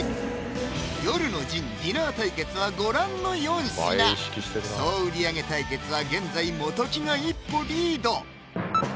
夜の陣・ディナー対決はご覧の４品総売上対決は現在元木が一歩リード！